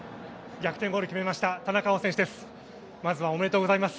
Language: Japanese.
逆転ゴール決めました田中碧選手です。